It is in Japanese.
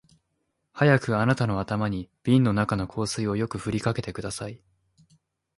早くあなたの頭に瓶の中の香水をよく振りかけてください